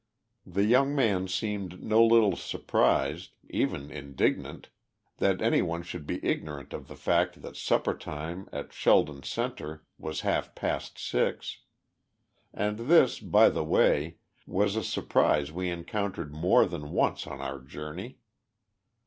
The young man seemed no little surprised, even indignant, that any one should be ignorant of the fact that supper time at Sheldon Center was half past six; and this, by the way, was a surprise we encountered more than once on our journey.